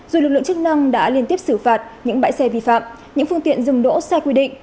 dù lực lượng chức năng đã liên tiếp xử phạt những bãi xe vi phạm những phương tiện dừng đỗ sai quy định